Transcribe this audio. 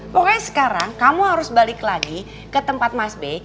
pokoknya sekarang kamu harus balik lagi ke tempat mas b